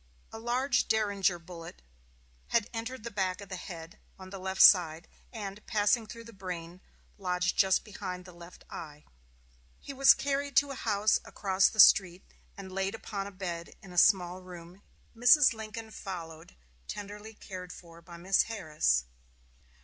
A large derringer bullet had entered the back of the head, on the left side, and, passing through the brain, lodged just behind the left eye. He was carried to a house across the street, and laid upon a bed in a small room at the rear of the hall on the ground floor. Mrs. Lincoln followed, tenderly cared for by Miss Harris.